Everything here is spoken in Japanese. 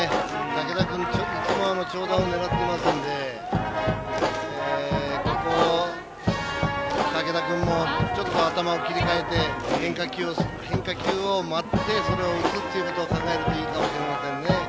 武田君、長打を狙っていますのでここ、武田君も、ちょっと頭を切り替えて変化球を待ってそれを打つっていうことを考えるといいかもしれませんね。